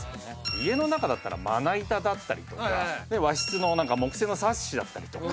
家の中だったらまな板だったりとか和室のなんか木製のサッシだったりとか。